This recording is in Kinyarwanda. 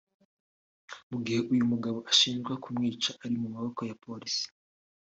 mu gihe uyu mugabo ushinjwa kumwica ari mu maboko ya polisi